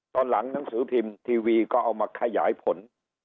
ตอนหลังหนังสือพิมพ์ทีวีก็เอามาขยายผล